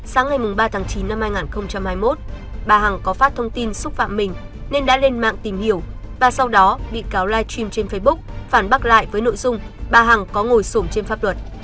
sáng ngày ba tháng chín năm hai nghìn hai mươi một bà hằng có phát thông tin xúc phạm mình nên đã lên mạng tìm hiểu và sau đó bị cáo live stream trên facebook phản bác lại với nội dung bà hằng có ngồi sổm trên pháp luật